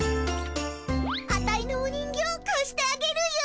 アタイのお人形かしてあげるよ。